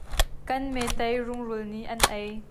Kan metei rungrul nih an ei.